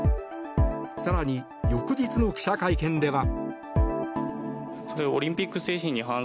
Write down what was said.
更に、翌日の記者会見では。